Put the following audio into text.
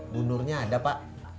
bu nurnya ada pak